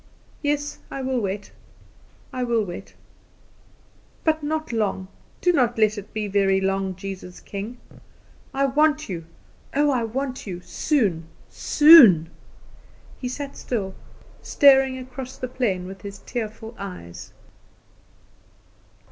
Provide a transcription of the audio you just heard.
"Yes; I will wait; I will wait. But not long; do not let it be very long, Jesus King. I want you; oh, I want you soon, soon!" He sat still, staring across the plain with his tearful eyes.